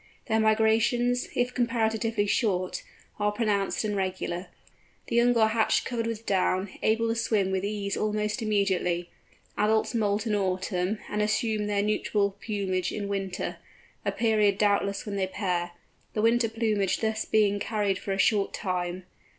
Their migrations, if comparatively short, are pronounced and regular. The young are hatched covered with down, able to swim with ease almost immediately. Adults moult in autumn, and assume their nuptial plumage in winter—a period doubtless when they pair—the winter plumage thus being carried for a short time.